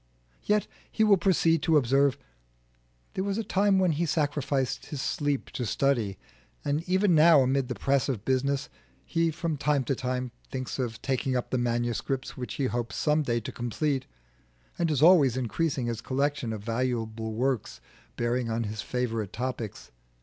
Yet, he will proceed to observe, there was a time when he sacrificed his sleep to study, and even now amid the press of business he from time to time thinks of taking up the manuscripts which he hopes some day to complete, and is always increasing his collection of valuable works bearing on his favourite topics.